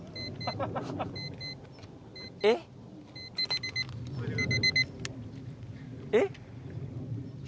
えっ？えっ？